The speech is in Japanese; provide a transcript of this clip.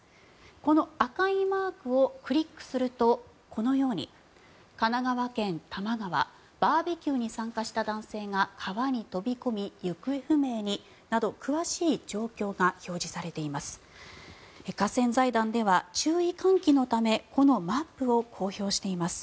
この赤いマークをクリックするとこのように神奈川県・多摩川バーベキューに参加した男性が川に飛び込み、行方不明になど詳しい状況が表示されています。